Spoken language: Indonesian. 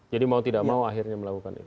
jadi mau tidak mau akhirnya melakukan itu